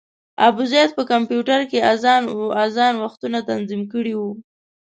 ابوزید په کمپیوټر کې اذان وختونه تنظیم کړي وو.